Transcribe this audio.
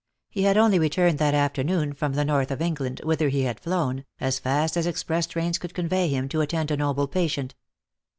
He had only returned that afternoon from the North of England, whither he had flown, as fast as express trains could convey him, to attend a noble patient.